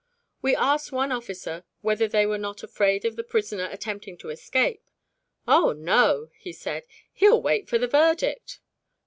We asked one officer whether they were not afraid of the prisoner attempting an escape; "Oh no," he said, "he'll wait for the verdict."